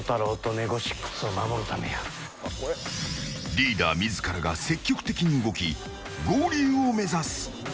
リーダー自らが積極的に動き合流を目指す。